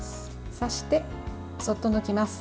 刺して、そっと抜きます。